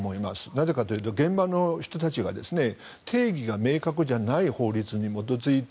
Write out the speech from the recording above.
なぜかというと現場の人たちが定義が明確じゃない法律に基づいて